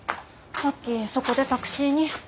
さっきそこでタクシーに。